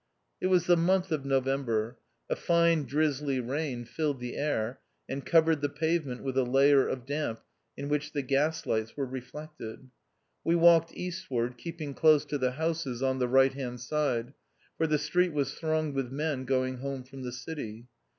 It was the month of November. A fine drizzly rain filled the air, and covered the pavement with a layer of damp in which the gaslights were reflected. We walked east ward, keeping close to the houses on thu right hand side, for the street was thronged with men going home from the city.